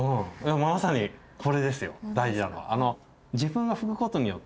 まさにこれですよ大事なのは。